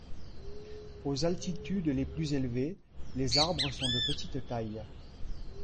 Aux altitudes les plus élevées, les arbres sont de petite taille.